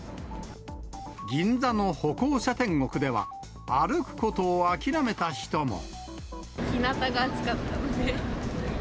銀座の歩行者天国では、ひなたが暑かったので。